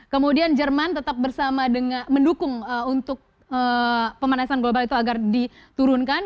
kemudian jerman tetap bersama dengan mendukung untuk pemanasan global itu agar diturunkan